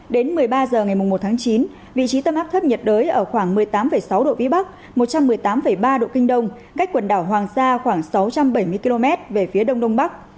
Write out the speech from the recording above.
đến một mươi ba h ngày một tháng chín vị trí tâm áp thấp nhiệt đới ở khoảng một mươi tám sáu độ vĩ bắc một trăm một mươi tám ba độ kinh đông cách quần đảo hoàng sa khoảng sáu trăm bảy mươi km về phía đông đông bắc